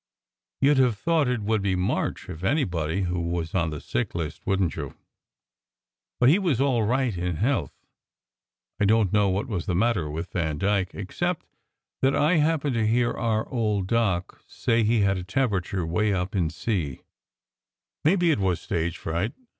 You d have thought it would be March, if anybody, who was on the sick list, wouldn t you? But he was all right in health. I don t know what was the matter with Vandyke, except that I happened to hear our old Doc say he had a temperature way up in C. Maybe it was stage fright.